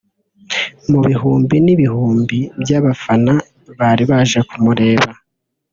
Mu bihumbi n’ibihumbi by’abafana bari baje kumureba